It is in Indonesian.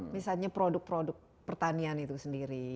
misalnya produk produk pertanian itu sendiri